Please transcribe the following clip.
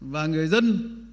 và người dân